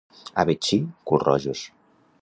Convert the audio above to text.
A Betxí, culrojos.